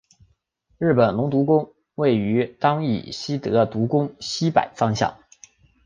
日木伦独宫位于当圪希德独宫西北方向。